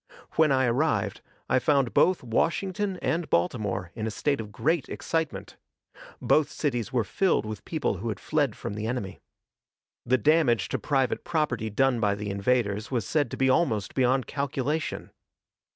When I arrived, I found both Washington and Baltimore in a state of great excitement; both cities were filled with people who had fled from the enemy. The damage to private property done by the invaders was said to be almost beyond calculation.